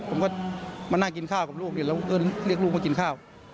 ผมก็มานั่งกินข้าวกับลูกอยู่แล้วก็เรียกลูกมากินข้าว